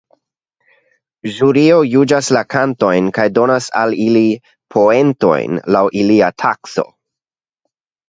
Ĵurio juĝas la kantojn kaj donas al ili poentojn laŭ ilia takso.